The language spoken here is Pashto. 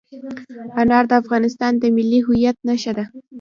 انار د افغانستان د ملي هویت نښه ده.